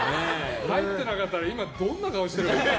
入っていなかったら今、どんな顔をしているか。